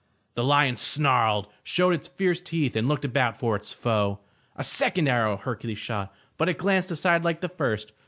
The lion snarled, showed its fierce teeth, and looked about for its foe. A second arrow Hercules shot, but it glanced aside like the first.